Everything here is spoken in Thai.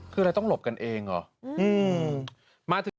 คืออะไรต้องหลบกันเองเหรอ